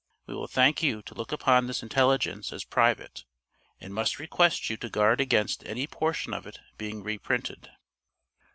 We will thank you to look upon this intelligence as private, and must request you to guard against any portion of it being reprinted.